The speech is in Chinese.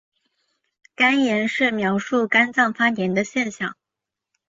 肝炎是描述肝脏发炎的现象。